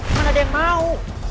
mana ada yang mau